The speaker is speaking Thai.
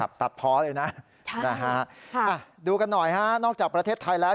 ครับตัดพอเลยนะนะฮะดูกันหน่อยฮะนอกจากประเทศไทยแล้ว